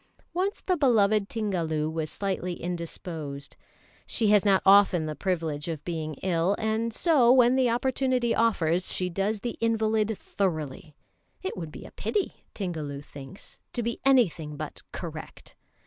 Once the beloved Tingalu was slightly indisposed. She has not often the privilege of being ill, and so, when the opportunity offers, she does the invalid thoroughly; it would be a pity, Tingalu thinks, to be anything but correct.